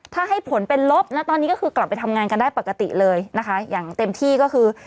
ถ้าให้ผลเป็นลบนะตอนนี้ก็คือกลับไปทำงานกันได้ปกติเลยนะคะอย่างเต็มที่ก็คือ